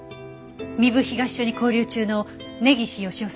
壬生東署に勾留中の根岸義雄さんは？